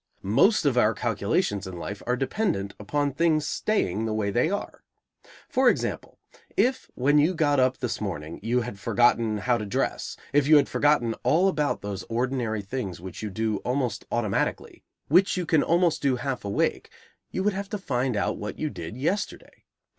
Most of our calculations in life are dependent upon things staying the way they are. For example, if, when you got up this morning, you had forgotten how to dress, if you had forgotten all about those ordinary things which you do almost automatically, which you can almost do half awake, you would have to find out what you did yesterday.